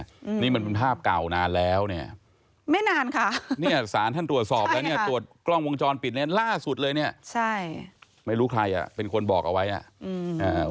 ก้มหน้าเล่นโทรศัพท์จนภาพเก่านานแล้วเนี่ยไม่นานค่ะเนี่ยศาลท่านตรวจสอบแล้วเนี่ยตรวจกล้องวงจรปิดเนี่ยล่าสุดเลยเนี่ยไม่รู้ใครอ่ะเป็นคนบอกเอาไว้อ่ะ